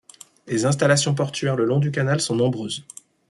Les installations portuaires le long du canal sont nombreuses.